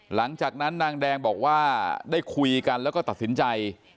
หลังจากนั้นนางแดงบอกว่าได้คุยกันแล้วก็ตัดสินใจ